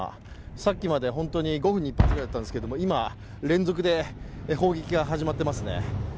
さっきまで本当に５分に１発くらいだったんですけれども今、連続で砲撃が始まってますね。